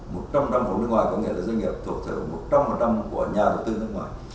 một trong đồng hồ nước ngoài có nghĩa là doanh nghiệp thuộc thường một trăm linh của nhà đầu tư nước ngoài